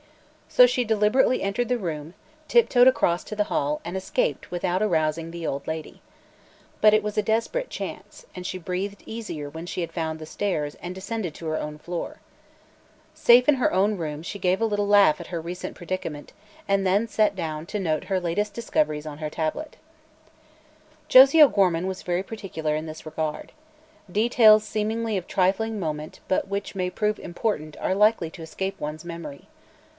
So she deliberately entered the room, tiptoed across to the hall and escaped without arousing the old lady. But it was a desperate chance and she breathed easier when she had found the stairs and descended to her own floor. Safe in her own room she gave a little laugh at her recent predicament and then sat down to note her latest discoveries on her tablets. Josie O'Gorman was very particular in this regard. Details seemingly of trifling moment but which may prove important are likely to escape one's memory.